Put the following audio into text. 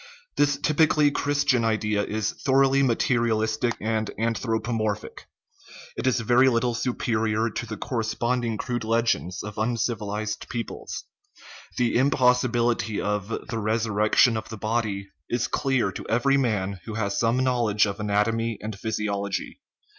This typically Christian idea is thoroughly ma terialistic and anthropomorphic ; it is very little supe rior to the corresponding crude legends of uncivilized peoples. The impossibility of " the resurrection of the body " is clear to every man who has some knowledge of anatomy and physiology.